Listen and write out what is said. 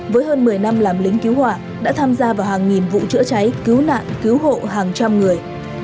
với hơn một mươi năm làm lính cứu hỏa đã tham gia vào hàng nghìn vụ chữa cháy cứu nạn cứu hộ hàng trăm người